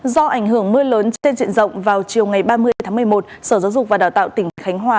do ảnh hưởng mưa lớn trên diện rộng vào chiều ngày ba mươi tháng một mươi một sở giáo dục và đào tạo tỉnh khánh hòa